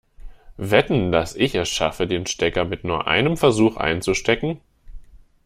Wetten, dass ich es schaffe, den Stecker mit nur einem Versuch einzustecken?